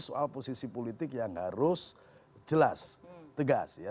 soal posisi politik yang harus jelas tegas ya